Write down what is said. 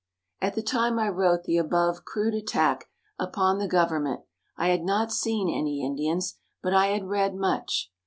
At the time I wrote the above crude attack upon the government, I had not seen any Indians, but I had read much.